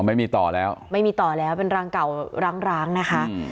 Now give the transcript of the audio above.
ไม่มีต่อแล้วไม่มีต่อแล้วเป็นรังเก่าร้างร้างนะคะ